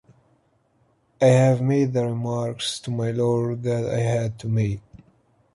I have made the remarks to my lord that I had to make...